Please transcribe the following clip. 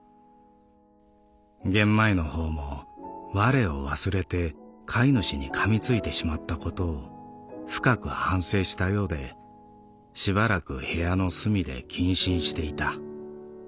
ゲンマイのほうも我を忘れて飼い主に噛みついてしまったことを深く反省したようでしばらく部屋の隅で謹慎していた。